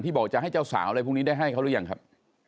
บอกจะให้เจ้าสาวอะไรพวกนี้ได้ให้เขาหรือยังครับ